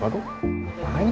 waduh ini dia